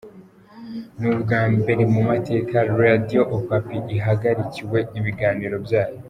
Ni ubwa mbere mu mateka Radio Okapi ihagarikiwe ibiganiro byayo.